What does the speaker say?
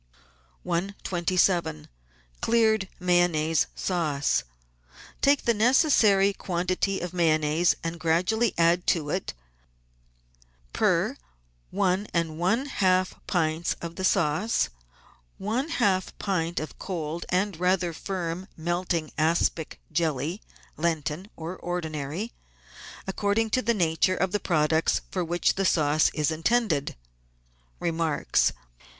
127— CLEARED MAYONNAISE SAUCE Take the necessary quantity of Mayonnaise and gradually add to it, per one and one half pints of the sauce, one half pint of cold and rather firm melting aspic jelly — Lenten or ordinary, according to the nature of the products for which the sauce is intended. Remarks.